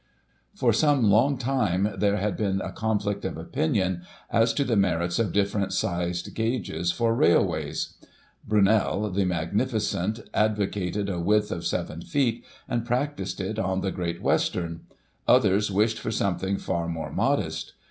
For some long time there had been a conflict of opinion as to the merits of different sized gauges for railways. Brunei, the magnificent, advocated a width of seven feet, and practised it on the Great Western ; others wished for something far more modest.